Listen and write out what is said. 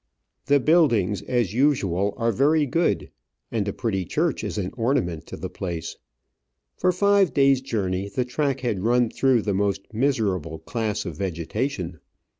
The buildings, as usual, are very good, and a pretty church is an ornament to the place. For five days' journey the track had run through the most miserable class of vegetation.